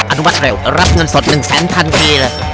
อันวัดเร็วรับเงินสดหนึ่งแสนทันทีเลย